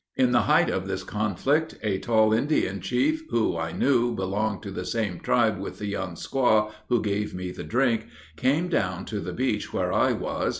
In the height of this conflict, a tall Indian chief, who, I knew, belonged to the same tribe with the young squaw who gave me the drink, came down to the beach where I was.